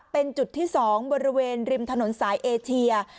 เป็นจุดที่๒บริเวณริมถนนสายเอเชีย